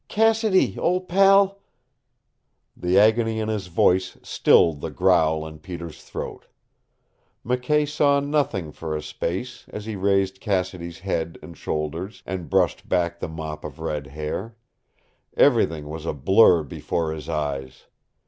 Cassidy, old pal " The agony in his voice stilled the growl in Peter's throat. McKay saw nothing for a space, as he raised Cassidy's head and shoulders, and brushed back the mop of red hair. Everything was a blur before his eyes.